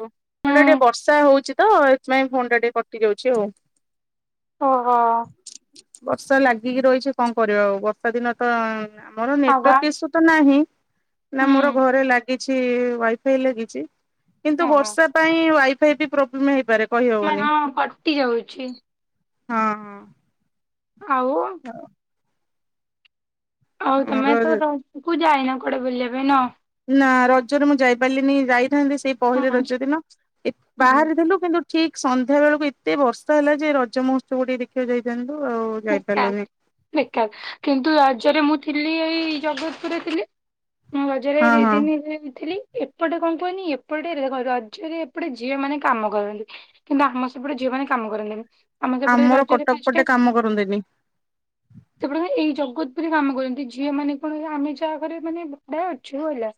ହ ହେଟା ଟିକେ ହୁଁ ବର୍ଷା ହଉଛି ତ-ଅ-ଅ ଏଥିପାଇଁ ଫୋନ ଟା ଟିକେ କଟି ଯାଉଛି ଆଉ। ହଁ ହଁ। ବର୍ଷା ଲାଗିକି ରହିଛି କଣ କରିବା ଆଉ ବର୍ଷା ଦିନ ତ-ଅ-ଅ। ଆମର ଆବା ନେଟୱାର୍କ ଏଇସୁ ତ ନାହିଁ ନା ହୁଁ ମୋର ଘରେ ଲାଗିଛି-ଇ-ଇ-ଇ ୱାଇଫାଇ ଲାଗିଛି। କିନ୍ତୁ ଓହୋ ବର୍ଷା ପାଇଁ-ଇ-ଇ ୱାଇଫାଇ ବି ପ୍ରୋବ୍ଲେମ୍ ହେଇପାରେ। ମାନେ କହିହବନି। ହଁ କଟି ଯାଉଛି। ହଁ-ଅ-ଅ। ଆଉ ଆଉ ତମେ ତ ଆମର ରକୁ ଯାଇନା କୁଆଡେ ବୁଲିବା ପାଇଁ ନ? ନା ରଜରେ ମୁଁ ଯାଇପାରିଲିନି ଯାଇଥାନ୍ତି ସେଇ ପହିଲି ହୁଁ ରଜ ଦିନ ଏ ହୁଁ ବାହାରରେ ଥିଲୁ କିନ୍ତୁ ଠିକ୍ ସନ୍ଧ୍ୟା ବେଳକୁ ଏତେ ବର୍ଷା ହେଲା ଯେ ରଜ ମହୋତ୍ସବ ଟିକେ ଦେଖିବାକୁ ଯାଇଥାନ୍ତୁ ଆଉ-ଉ-ଉ ବମୁଁ ଏକା ମୁଁ ଏକା କିନ୍ତୁ ରାଜରେ ମୁଁ ଥିଲି ଏଇ ଜଗତପୁରରେ ଥିଲି ମୁଁ ରଜରେ ହଁ ଦି ହଁ ଦିନି-ଇ-ଇ-ଇ ଥିଲି। ଏପଟେ କଣ କୁହନି ଏପଟେ ର-ର-ର ରଜରେ ଏପଟେ ଝିଅ ମାନେ କାମ କରନ୍ତି। କିନ୍ତୁ ଆମ ସେପଟେ ଝିଅ ମାନ କାମ କରନ୍ତିନି ଆମ ସେପଟେ ଆମର ରଜରେ କଟକ ପଟେ ପାଞ୍ଚଟା କାମ କରନ୍ତିନି। ସେପଟ ଏଇ ଜଗତ ପୁରରେ କାମ କରନ୍ତି ଝିଅ ମାନେ କଣ କହିଲେ ଆମେ ଯାହା ଘରେ ମାନେ ଭଡା ଅଛୁ ହେଲା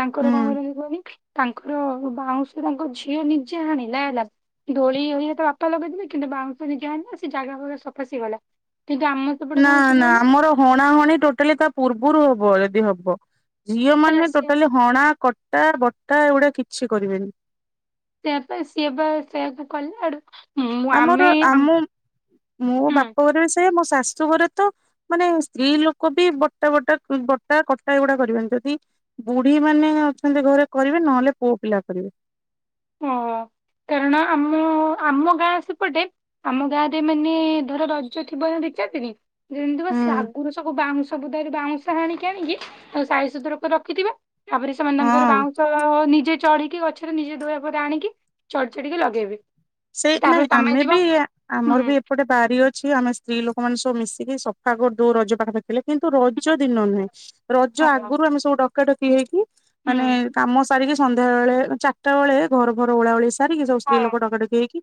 ତାଙ୍କର ହୁଁ। କଣ କରନ୍ତି କୁହନି ତାଙ୍କର ବାଉଁଶ ତାଙ୍କ ଝିଅ ନିଜେ ହାଣିଲା ହେଲା ଦୋଳି ହେଇଆ ତା ବାପା ଲଗେଇଦେଲେ କିନ୍ତୁ ବାଉଁଶ ନିଜେ ହାଣିଲା ନା ସେ ଜାଗା ଫାଗା ସଫା ସିିଏ କଲା। ଟିକେ ଆମେ ନା ନା ଆମର ହଣାହଣି ଟୋଟାଲି ତା ପୂର୍ବରୁ ହବ ଯଦି ହବ। ଝିଅ ମାନେ ଟୋଟାଲି ହଣା କଟା ବଟା ଏଗୁଡା କିଛି କରିବେନି। ସେୟା ପା ସିଏ ବା ସେୟା କୁ କଲା ଆଡୁ ମୁଁ ଆମର ଆମେ ଆମ୍- ଆମ ମୋ ହୁଁ ବାପ ଘରେ ବି ସେୟା ମୋ ଶାଶୁ ଘରେ ତ ମାନେ ସ୍ତ୍ରୀ ଲୋକ ବି ବଟା ବଟା ବଟା କଟା ଏଗୁଡା କରିବେନି, ଯଦି ବୁଢୀ ମାନେ ଅଛନ୍ତି ଘରେ କରିବେ ନହେଲେ ପୁଅ ପିଲା କରିବେ। ଓ କାରଣ ଆମ ଆମ ଗାଁ ସେପଟେ ଆମ ଗାଁରେ ମାନେ ଧର ରଜ ଥିବ ଦି ଚାରି ଦିନ୍ ଯେମିତି ବା ହୁଁ ସେ ଆଗୁରୁ ସବୁ ବାଉଁଶ ବୁଦାରେ ବାଉଁଶ ହାଣିକି ଆଣିକି ଆଉ ସାଇଜ୍ ସୁତୁରା କରି ରଖିଥିବେ। ତାପରେ ସେମାନେ ତାଙ୍କର ହଁ। ବାଉଁଶ ନିଜେ ଚଢିକି ଗଛରେ ନିଜେ ଧୋଇଆକୁ ପରେ ଆଣିକି ଚଢି ଚଢିକି ଲଗେଇବି। ସେଇ ନାଇଁ ଆମେ ବି ହୁଁ ଆମର ହୁଁ ବି ଗୋଟେ ବାରି ଅଛି ଆମେ ସ୍ତ୍ରୀ ଲୋକମାନେ ସବୁ ମିଶିକି ସଫା କରିଦଉ ରଜ ପାଖା ପାଖି ଥିଲେ। କିନ୍ତୁ ରଜ ଦିନ ନୁହେଁ ରଜ ଆଗରୁ ଆମେ ସବୁ ଡକା ଡକି ହେଇକି ମାନେ କାମ ସାରିକି ସନ୍ଧ୍ୟା ବଳେ ଚାରିଟା ବେଳେ ଘର ଘର ଓଳା ଓଳି ସାରିକି ସବୁ ହଁ ସ୍ତ୍ରୀ ଲୋକ ହୁଁ ଡକାଡକି ହେଇକି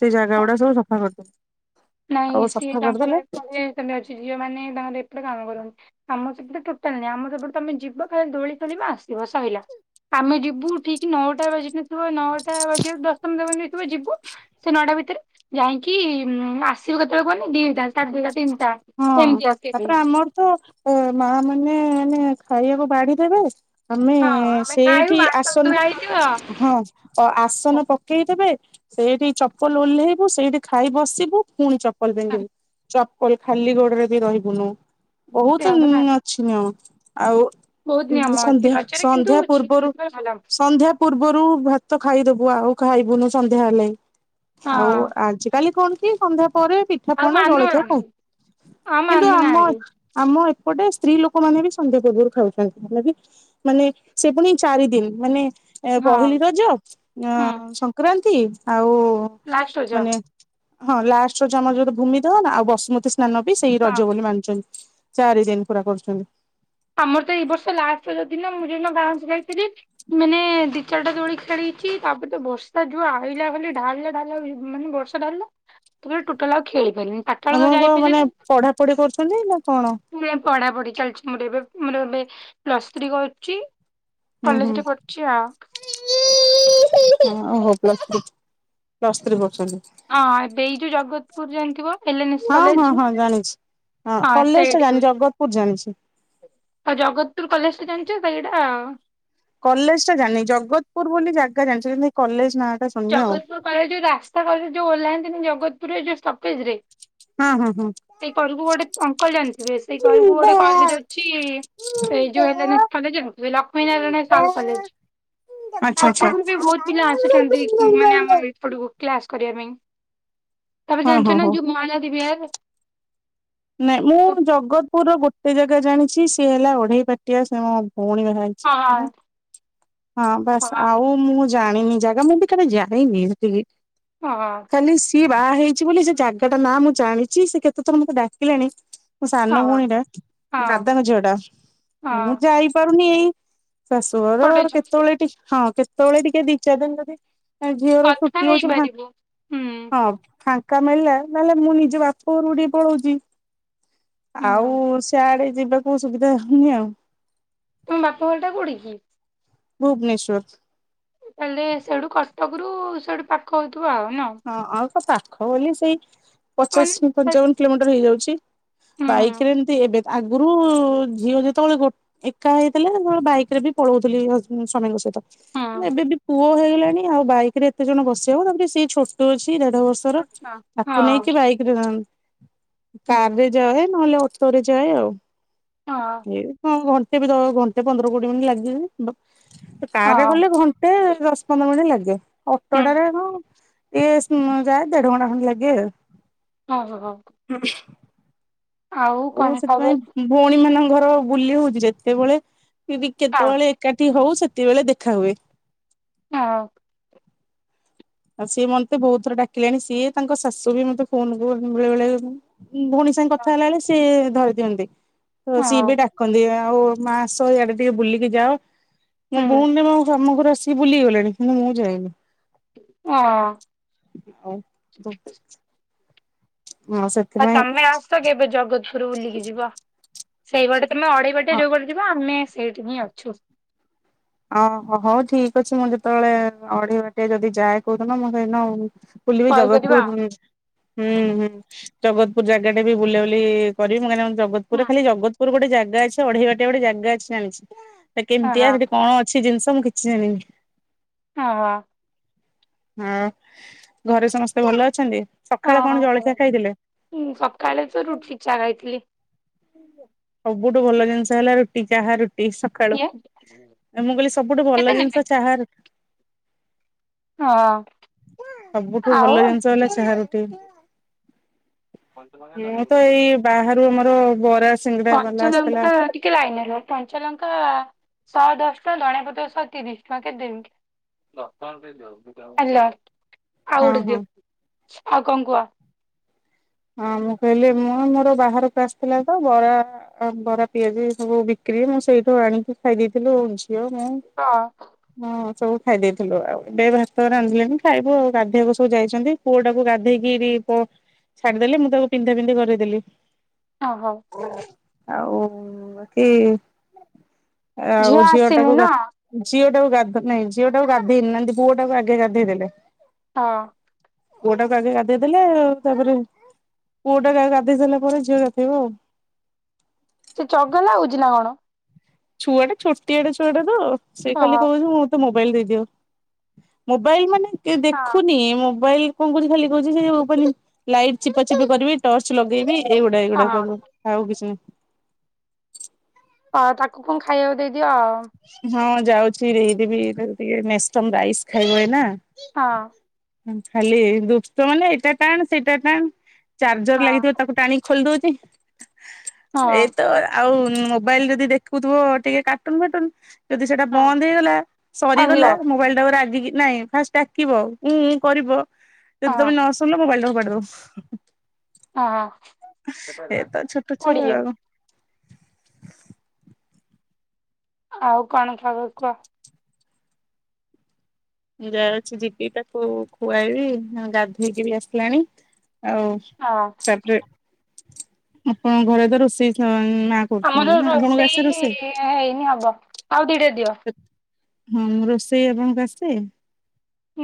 ସେ ଜାଗା ଗୁଡା ସବୁ ସଫା କରିଦଉ। ନାଇଁ ସିଏ ତାଙ୍କର ଏପଟେ ସେମତି ଅଛି ଝିଅ ମାନେ ତାଙ୍କର ଏପଟେ କାମ କରନ୍ତି। ଆମର ସେପଟେ ଟୋଟାଲି ନାହିଁ ଆମ ସେପଟୁ ତମେ ଯିବ ଖାଲି ଦୋଳି ଖେଳିବ ଆସିବ ସଇଲା। ଆମେ ଯିବୁ ଠିକ ନଅଟା ବାଜି ନଥିବ ନଅ ଟା ବାଜିବାକୁ ଦଶ ମିନିଟ୍ ଖଣ୍ଡେ ଥିବ ଯିବୁ ସେ ନଅଟା ଭିତରେ ଯାଇକି ମ୍ ଆସ୍ ଆସିବି କେତେବେଳେ କହ ନି ଦିଟା ସାଢେ ଦିଇଟା ତିିନିଟା। ହଁ ତାପରେ ଆମର ତ ଏ ମା ମାନେ ମାନେ ଖାଇବାକୁ ବାଢି ଦେବେ। ଆମେ ହଁ ଆମେ ଖାଇବୁ ସେଇଠି ବାଣ୍ଟ ତୁ ଆସନ ହେଇଯିବ। ହଁ ଆସନ ପକେଇଦେବେ। ସେଇଠି ଚପଲ ଓହ୍ଲେଇବୁ ସେଇଠି ଖାଇ ବସିବୁ ପୁଣି ଚପ ଚପଲ ପିନ୍ଧିବୁ ଚପଲ ଖାଲି ଗୋଡରେ ବି ରହିବୁନୁ ବହୁତୁ ସେଇଆ ପରା ଅଛି ନିୟମ ଆଉ ବହୁତ ନିୟମ ଅଛି ସନ୍ଧ୍ୟା ରଜରେ କିନ୍ତୁ ସନ୍ଧ୍ୟା ଝିଅ ପୂର୍ବରୁ ମାନଙ୍କର ଭଲ। ସନ୍ଧ୍ୟା ପୂର୍ବରୁ ଭାତ ଖାଇଦବୁ ଆଉ ଖାଇବୁନୁ ସନ୍ଧ୍ୟା ହେଲେ। ଆଉ ହଁ ଆଜିକାଲି କଣ କି ସନ୍ଧ୍ୟା ପରେ ପିଠା ଆଉ ପଣା ଜଳଖିଆ ମାନୁନାହାନ୍ତି ଖାଉ ଆଉ କିନ୍ତୁ ଆମ ମାନୁନାହାନ୍ତି ଆମ ଏପଟେ ସ୍ତ୍ରୀ ଲୋକମାନେ ବି ସନ୍ଧ୍ୟା ପୂର୍ବରୁ ଖାଉଛନ୍ତି, ହେଲେବି ମାନେ ସେ ପୁଣି ଚାରିଦିନ, ମାନେ ଏ ହଁ ପହିଲି ରଜ, ଅ ହୁଁ ସଂକ୍ରାନ୍ତି ଆଉ ଲାଷ୍ଟ ରଜ। ମାନେ ହଁ ଲାଷ୍ଟ ରଜ ଆମର ଯୋଉଟା ଭୂମି ଦହନ ନା ଆଉ ବସୁମତୀ ହଁ ସ୍ନାନ ବି ସେଇ ହଁ ରଜ ବୋଲି ମାନୁଛନ୍ତି। ଚାରି ଦିନ ପୁରା କରୁଛନ୍ତି। ଆମର ତ ଏଇ ବର୍ଷ ଲାଷ୍ଟ ରଜ ଦିନ ମୁଁ ଯେ ଦିନ ଗାଁ କୁ ଯାଇଥିଲି। ମାନେ ଦି ଚାରିଟା ଦୋଳି ଖେଳିଛି ତାପରେ ତ ବର୍ଷା ଯୋଉ ଆଇଲା ଖାଲି ଢାଳିଲା ଢାଳିଲା ମାନେ ବର୍ଷ ଢାଳିଲା ତାପରେ ଟୋଟଲି ଆଉ ଖେଳି ପାଇଲିନି। ଆପଣ କଣ ମାନେ ପଢା ପଢି କରୁଛନ୍ତି ନା କଣ? ନାଇ ପଢା ପଢି ଚାଲିଛି ମୋର ଏବେ ମୋର ଏବେ ପ୍ଲସ୍ ଥ୍ରୀ କରୁଛି। ହୁଁ ହୁଁ କଲେଜରେ ପଢୁଛି ଆଉ। ଓହୋ ପ୍ଲସ୍ ଥ୍ରୀ ପ୍ଲସ୍ ଥ୍ରୀ କରୁଛନ୍ତି। ହଁ ଏବେ ଏଇ ଯୋଉ ଜଗତପୁର ଯାଣିଥିବ, ଏଲ୍ ଏନ୍ ଏସ୍ ହଁ ହଁ କଲେଜ। ହଁ ଜାଣିଛି ହଁ ସେଇ ଆଡକୁ। ଓ ଜାଣିଛି। ଆଉ ଜଗତପୁର କଲେଜଟା ଜାଣିଛ ସେଇଟା? କଲେଜ ଟା ଜାଣିିନି ଜଗତପୁର ବୋଲି ଜାଗା ଜାଣିଛି କିନ୍ତୁ ସେଇ କଲେଜ ନାଁ ଟା ଶୁଣିନି ଆଉ ଜଗତପୁର କଳ ଯୋଉ ରାସ୍ତା କ ଯୋଉ ଓହ୍ଲାହାନ୍ତିନି ଜଗତପୁରରେ ଯୋଉ ଷ୍ଟପେଜ ରେ ହଁ ହଁ ହଁ। ସେଇ ଘରକୁ ଗୋଟେ ଅଙ୍କଲ ଜାଣିଥିବେ ସେଇ ଘରକୁ ଗୋଟେ କଲେଜ ଅଛି [unintelligible] ଲକ୍ଷ୍ମୀ ନାରାୟଣ ସାଲ କଲେଜ। ଆଚ୍ଛା ଆଚ୍ଛା। କଠକରୁ ବି ବହୁତ ପିଲା ଆସୁଛନ୍ତି ମାନେ ଆମ ଏଇ ସେପଟକୁ କ୍ଲାସ କରିବା ପାଇଁ ତମେ ହଁ ହଁ ଜାଣିଛ ନା ହଉ ଯୋଉ ମହାନଦୀ ବିହାର? ନାଇଁ ମୁଁ ହଁ ଜଗତପୁର ର ଗୋଟେ ଜାଗା ଜାଣିଛି ସିଏ ହେଲା ଓଢେଇ ପାଟିଆ ସେ ମୋ ଭଉଣୀ ବା ହଁ। ହଁ ବାସ ଆଉ ମୁଁ ଜାଣିନି ଜାଗା ମୁଁ ବି କେବେ ଯାଇନି [unintelligible] ହଁ। କାଲି ସିଏ ବାହା ହେଇଛି ବୋଲି ସେ ଜାଗା ଟା ନାଁ ମୁଁ ଜାଣିଛି ସେ କେତେଥର ମତେ ଡାକିଲାଣି ମୋ ସାନ ହଁ ଭଉଣୀ ଟା ହଁ ଦାଦାଙ୍କ ଝିଅ ଟା ହଁ ମୁଁ ଯାଇପାରୁନି ଏଇ ଶାଶୁଘର ଗୋଟେ କେତେବେଳେ ଟିକେ ହଁ କେତେବେଳେ ଟିକେ ଦି ଚାର ଦିନ ଯଦି ଝିଅର କଥା ଛୁଟି ହଉଛି ଭା ହେଇପାରିବୁ ହୁଁ ହଁ ଫା ଆକା ମିଳିଲା ନହେଲେ ମୁଁ ନିଜ ବାପ ଘରୁ ଟିକେ ପଳଉଛି। ହୁଁ ଆଉ ସିଆଡେ ଯିବାକୁ ସୁବିଧା ହଉନି ଆଉ। ତ ବାପା ଘର ଟା କୋଡିକି? ଭୁବନେଶ୍ୱର। ତାହେଲେ ସେଇଠୁ କଟକ ରୁ ସେଇଠୁ ପାଖ ହଉଥିବ ଆଉ ନା ହଁ ଆଉ କ ପାଖ ବୋଲି ସେଇ ମାନେ ପଚାଶ ପଞ୍ଚାବନ ହୁଁ କିଲୋମିଟର ହେଇଯାଉଛି ବାଇକ ହୁଁ ରେ ଏବେ ଆଗରୁ ଝିଅ ଯେତେବେଳେ ଗୋଟେ ଏକା ହେଇଥିଲା ଯେବେଳେ ବାଇକ ରେ ବି ପଳଉଥିଲି ହ ସ୍ୱାମୀଙ୍କ ସହିତ। ଏବେ ହଁ ବି ପୁଅ ହେଇଗଲାଣି ଆଉ ବାଇ ରେ ଏତେ ଜଣ ବସିବ ତାପରେ ସେ ଛୋଟ ଅଛି ଦେଢ ବର୍ଷ ର ତାକୁ ହଁ ନେଇକି ବାଇ [unintelligible] ହୁଁ। କାରରେ ଯାଏ ନହେଲେ ଅଟୋରେ ଯାଏ ଆଉ। ହଁ। ଏ କଣ ଘଣ୍ଟେ ବି ଦଶ ଘଣ୍ଟେ ପନ୍ଦର କୋଡିଏ ମିନିଟ ଲାଗିବ କାର୍ ହଁ ଗଲେ ଘ ଘଣ୍ଟେ ଦଶ ପନ୍ଦର ମିନିଟ୍ ଲାଗେ ହୁଁ ଅଟୋଟାରେ କ ଣ। ଏ ସେ ମୁଁ ଯାଏ ଦେଢ଼ ଘଣ୍ଟା ଖଣ୍ଡେ ଲାଗେ। ହଁ ହଁ। ଓ କଣ ସେ ଖବର? ଫୁଣି ଭଉଣୀ ମାନଙ୍କର ଘର ବୁଲି ହଉଛି ଯେତେବେଳେ ହୁ ହଁ କେତେବେଳେ ଏକାଠି ଠି ହଉ ସେତେବେଳେ ଦେଖା ହୁଏ। ହଁ। ସିଏ ମତେ ବହୁତ ଥର ଡାକିଲେଣି ସିଏ ତାଙ୍କ ଶାଶୁ ବି ମତେ ଫୋନ୍ ବେଳେ ବେଳେ ଭ ତାଙ୍କ କଥା ହେଲା ବେଳେ ସିଏ ଧରି ଦିଅନ୍ତି ସିଏ ବି। ହଁ ରଖନ୍ତି ଆଉ ମା ଆସ ଇଆଡେ ଟିକେ ବୁଲିକି ଯାଅ ମୁଁ ହୁଁ ଭଉଣୀ [unintelligible] ସେ ବୁଲିଗଲେଣି ମୁଁ ମୁଁ ଯାଇନି ଅ। [unintelligible] ମୁଁ ଆସେ ଆଉ ତମେ ଆସ କେବେ ଜଗତପୁର ବୁଲିକି ଯିବା। ସେଇପଟେ ତମେ ଅଢେଇ ବାଟେ ଯୋଉ ପଟେ ଯିବ ଆମେ ସେଇଠି ହିଁ ଅଛୁ। ଓ ହଉ ଠିକ ଅଛି ମୁଁ ଯେତେବେଳେ ଅଢେଇ ବାଟେ ଯଦି ଯାଏ କୋଉଦିନ ମୁଁ ସେଇଦିନ କୁଲିବି କଲ୍ କରିବା ଆଉ। ଜଗତପୁର [unintelligible] ହୁଁ ହୁଁ ଜଗତପୁର ଜାଗା ଟା ବି ବୁଲାବୁଲି କରିବି ମୁଁ କା ହୁଁ ଜଗତପୁର ଖାଲି ଜଗତପୁର ଗୋଟେ ଜାଗା ଅଛି ଅଢେଇବାଟିଆ ଗୋଟେ ଜାଗା ଅଛି ଜାଣିଛି ହେ ହଁ କେମିତିଆ ସେଠି କଣ ଅଛି ଜିନିଷ ମୁଁ କିଛି ଜାଣିନି। ହଁ ହଁ। ହଁ ଘରେ ସମସ୍ତେ ଭଲ ଅଛନ୍ତି? ସକାଳେ ହଁଁ କଣ ହଁ ଜଳଖିଆ ଖାଇଥିଲେ? ସକାଳେ ତ ରୁଟିି ଚା ଖାଇଥିଲି। ସବୁଠୁ ଭଲ ଜିନିଷ ହେଲା ରୁଟି ଚାହା ରୁଟି। ସକାଳୁ। [unintelligible] ମୁଁ କହିଲି ସବୁଠୁ ଭଲ କେତେ ନେବେ? ଜିନିଷ ଚାହା ରୁ ହଁ ସବୁଠୁ ଆଉ ଭଲ ଜିନିଷ ହେଲା ଚାହା ରୁଟି। ମୁଁ ତ ଏଇ ବାହାରୁ ଆମର ବରା ସିଙ୍ଗଡା ବାଲା ପଞ୍ଚ ଆସିଥିଲା [unintelligible] ଟିକେ ଲାଇନ୍ ରୁହ। କଞ୍ଚାଲଙ୍କା ଶହେ ଦଶ ଟଙ୍କା ଦଣିଆ ପତ୍ର ଶହେ ତିରିଶ ଟଙ୍କା କେତେ ଦେବି? ହାଲୋ ଆଉ ହଁ ଗୋଟେ ଦିଅ ହଁ। ଆଉ କଣ କୁହ। ହଁ ମୁଁ କହିଲି ମୁଁ ମୋର ବାହାରକୁ ଆସିଥିଲା ତ ବରା ଆ ବରା ପିଆଜି ସବୁ ବିକ୍ରି ମୁଁ ସେଇଠୁ ଆଣିକି ଖାଇ ଦେଇଥିଲୁ ଝିଅ ମୁଁ ହଁ। ହଁ ସବୁ ଖାଇ ଦେଇଥିଲୁ ଆଉ ଏବେ ଭାତ ରାଧିଲେଣୀ ଏବେ ଖାଇବୁ ଆଉ ଗାଧୋଇବାକୁ ସବୁ ଯାଇଛନ୍ତି। ପୁଅଟାକୁ ଗାଧେଇକି ପ ଛାଡିଦେଲି ମୁଁ ତାକୁ ପିନ୍ଧା ପିନ୍ଧି କରିଦେଲି। ଓହୋ ଆଉ କି ଆଉ ଝିଅ ଆସିନି ଟାକୁ ନା ଗା ଝିଅଟାକୁ ଗା ଝିଅଟାକୁ ଗାଧୋଇନି ନାହାନ୍ତି ପୁଅ ଟାକୁ ଆଗେ ଗାଧୋଇ ଦେଲେ। ହଁ। ପୁଅ ଟାକୁ ଆଗେ ଗାଧେଇ ଦେଲେ ଆଉ ତାପରେ ପୁଅ ଟାକୁ ଆଗେ ଗାଧୋଇ ସାରିଲା ପରେ ଝିଅ ଗାଧୋଇଵ ଆଉ। ସେ ଚଗଲା ହଉଛି ନା କଣ? ଛୁଆଟା ଛୋଟିଆ ଛୁଆଟା ତ ସେ ଖାଲି ଓହୋ କହୁଛି ମୁଁ ତାକୁ ମୋବାଇଲି ଦେଇଦିଅ ମୋବାଇଲି ମାନେ ହଁ ଦେଖୁନି ମୋବାଇଲ କଣ କହୁଛି ଖାଲି କହୁଛି ସେ ମୋବାଇଲି ଲାଇଟ୍ ଚିପଚିପ କରିବି ଟର୍ଚ ଲଗେଇବି ଏଇଗୁଡା ଏଇଗୁଡା କରିବ ଆଉ କିଛି ନାହିଁ। ହଁ ତାକୁ କଣ ଖାଇବାକୁ ଦେଇଦିଅ ଆଉ। ହଁ ଯାଉଛି ଦେଇଦେବି ଟିକେ ମେଷ୍ଟମ୍ ରାଇସି ଖାଇବ ଏ ନା ହଁ ଖାଲି ଦୁଷ୍ଟ ମାନେ ଏଇଟା ଟାଣେ ସେଇଟା ଟାଣେ ଚାର୍ଜର ଲାଗିଥିବ ହଁ ତାକୁ ଟାଣିକି? ଖୋଲି ଦଉଛି ଏଇତ ଆଉ ମୋବାଇଲି ରେ ଯଦି ଦେଖୁଥିବ ଟିକେ କାଟୁନୁ ଫାଟୁନ ଯଦି ସେଟା ହଁ ବନ୍ଦ ହେଇଗଲା କାନ୍ଦିବ ସରିଗଲା ମୋବାଇଲ ଟାକୁ ରାଗିକି ନାଇଁ ଫାଷ୍ଟେ ଡାକିବ ଉଁ ଉଁ କରିବ ଯଦି ହଁ ତମେ ନ ଶୁଣିଲ ମୋବାଇଲିଟାକୁ ଫୁପାଡି ଦବ। ହଁ ଏ ତ ଛୋଟ ଛୁଆ କୋଡିଏ ଆଉ। ଆଉ କଣ ଖବ କହ ଯାଉଛି ଯିବି ତାକୁ ଖୁଆଇବି ଗାଧେଇକି ବି ଆସିଲାଣି ଆଉ ହଁ। ତାପରେ ଆପଣଙ୍କ ଘରେ ତ ରୋଷେଇ ମା କରୁଛନ୍ତି ଆମର ନା ଆପଣଙ୍କୁ ଆସେ ରୋଷେଇ ହେଇନି ହବ ଆଉ ଦିଟା ଦିଅ। ହୁଁ ରୋଷେଇ ଆପଣଙ୍କୁ ଆସେ?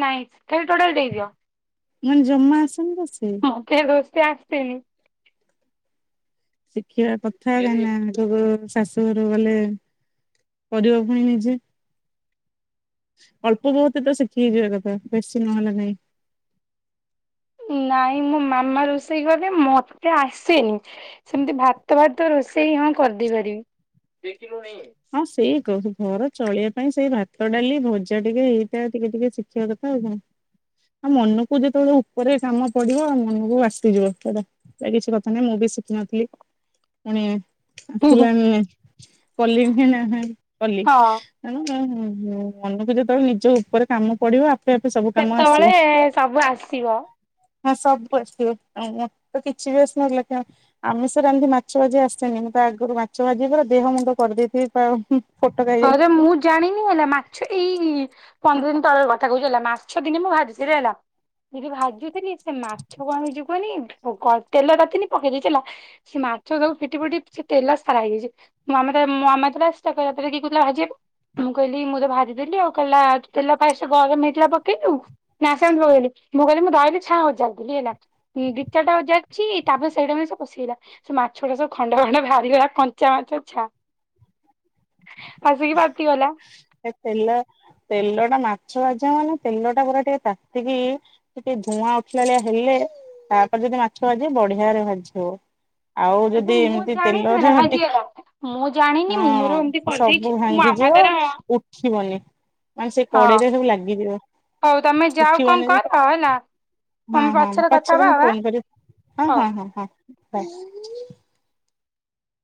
ନାଇଁ ସେଠୁଟୋଟାଲ ଦେଇଦିଅ।? ମାନେ ଜମା ଆସେନି ରୋଷେଇ ମତେ ରୋଷେଇ ଆସେନି। ଶିଖିବା କଥା କାହିଁକି ନା? କେବେ ଶାଶୁଘର ଗଲେ କରିବ୍ ପୁଣି ନିଜେ ଅଳ୍ପ ବହୁତ ତ ଶିଖିଯିବା କଥା ବେଶୀ ନହେଲେ ନାଇଁ ନାଇଁ ମୋ ମାମା ରୋଷେଇ କରେ ମତେ ଆସେନି ସେମତି ଭାତ ଭାତ ରୋଷେଇ ହଁ କରିଦେଇ ପାରିବି ହଁ ସେଇ ଘର ଚଳିବା ପାଇଁ ସେଇ ଭାତ ଡାଲି ଭଜା ଟିକେ ଏଇଟା ଟିକେ ଟିକେ ଶିଖି ଶିଖିବା କଥା ଆଉ କଣ? ଆଉ ମନକୁ ଯେତେବେଳେ ଉପରେ କାମ ପଡିବ ଆ ମନକୁ ଆସିଯିବ ସେଟା ସେ କିଛି କଥା ନାହିଁ ମୁଁ ବି ଶିଖିନଥିଲି ପୁଣି ଆସିଲାଣି କଲିଣି ନା କଲି ହଁ ହୁଁ ହୁଁ ମନକୁ ଯେତେବେଳେ ନିଜ ଉପରେ କାମ ପଡିବ ଆପ୍ ସେତେବେଳେ ସବୁ ଆସିବ। ହଁ ସବୁ ଆସିଥିବ ତ କିଛି ବି ଆସୁନଥିଲା କାମ? ଆମିଷ ରାନ୍ଧି ମାଛ ଭାଜି ଆସେନି ମୁଁ ତ ଆଗରୁ ମାଛ ଭାଜି ଦେହ ମୁଣ୍ଡ କରିଦେଇଥିବି ପ୍ରାୟ ହଁ ଯେ ମୁଁ ଦ୍ ଜାଣିନି ହେଲା ମାଛ ଏଇ ପନ୍ଦର ଦିନ ତଳର କଥା କହୁଛି ହେଲା ମାଛ ଦିନେ ମୁଁ ଭାଜି ଥିଲା ହେଲା। ଦିଦି ଭାଜୁଥିଲି ସେ ମାଛ କଣ ହେଇଛି କୁହନି ତେଲ ତାତିନି ପକେଇ ଦେଇଛି ହେଲା। ସେ ମାଛ ସବୁ ଫିଟି ଫୁଟି ସେ ତେଲ ସାରା ହେଇଯାଇଛି ମାମା ମୋ ମାମା ଥିଲା ସେ ତତେ କିଏ କହୁଥିଲା ଭାଜିବାକୁ? ମୁଁ କହିଲି ମୁଁ ତ ଭାଜିଦେଲି ଆଉ କହିଲା ତେଲ ଫାଷ୍ଟେ ଗରମ ହେଇଥିଲା ପକେଇଲୁ ସାଙ୍ଗେ ସାଙ୍ଗେ ଧୁଇଲି ମୁଁ ଧଇଲି ଛାଆଁ ଉଜାଡି ଦେଲି ହେଲା। ଦି ଚାରିଟା ଉଯାଡିଛି ତାପରେ ସେଇଟା ବି ସେ ପଷିଇଲା ସେ ମାଛ ଗୁଡା ସବୁ ଖଣ୍ଡ ଖଣ୍ଡ ବାହାରିଗଲା କଞ୍ଚା ମାଛ ଛା ଆସିକି ଭାସିଗଲା। ଏ ତେଲ ତେଲ ଟା ମାଛ ଭାଜି ମାନେ ତେଲ ଟା ପୁରା ଟିକେ ତାତିକି ଟିକେ ଧୂଆଁ ଉଠିଲାଳିଆ ହେଲେ ତାପରେ ଯଦି ମାଛ ଭାଜିିବେ ବଢିଆ ରେ ଭାଜିିହବ। ଆଉ କିନ୍ତୁ ଯଦି ମୁଁ ଏମତି ଜାଣିନି ତେଲରେ ଆଜି ଟିକ୍ ହେଲା ମୁଁ ଜାଣିନି ମୁଁ ମୋର ଏମିତି ହଁ। ସବୁ କରିଦେଇଛି ମୋ ମାମା ଭାଙ୍ଗିଯିବ ତାର ଉଠିବନି। ମାନେ ସେ ହଁ କଡେଇରେ ସବୁ ଲାଗିଯିବ ହଉ ତମେ ଯାଅ କଣ ଉଠିବନି ଯେ କର ହେଲା ହଁ ଆମେ ହଁ ପଛରେ କଥା ପଛେ ହବା ତମେ ଆଉ ଆଁ ଫୋନ୍ କରି ହଁ ହଉ। ହଁ ହଁ ହ।